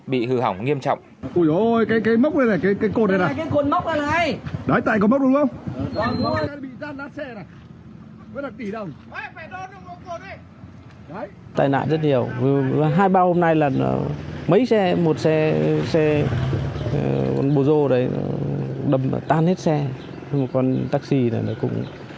bị hư hỏng nghiêm trọng